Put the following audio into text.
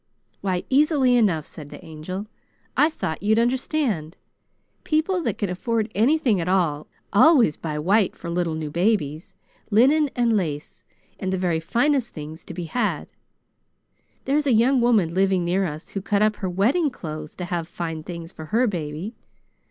"Why, easily enough," said the Angel. "I thought you'd understand. People that can afford anything at all, always buy white for little new babies linen and lace, and the very finest things to be had. There's a young woman living near us who cut up her wedding clothes to have fine things for her baby.